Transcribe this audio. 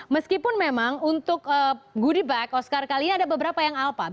meskipun memang untuk goodie bag oscar kali ini ada beberapa yang alpha